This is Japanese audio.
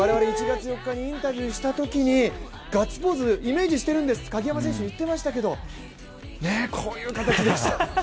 １月４日にインタビューしたときにガッツポーズ、イメージしているんですと鍵山選手言っていましたけれども、こういう形でした。